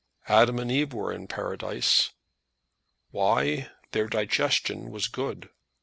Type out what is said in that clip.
Adam and Eve were in paradise. Why? Their digestion was good.